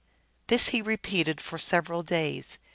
This he repeated for several days.